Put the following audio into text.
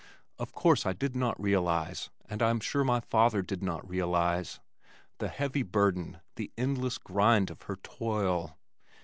Of course I did not realize, and I am sure my father did not realize, the heavy burden, the endless grind of her toil.